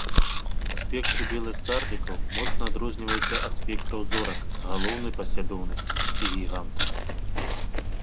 Спектры белых карлікаў моцна адрозніваюцца ад спектраў зорак галоўнай паслядоўнасці і гігантаў.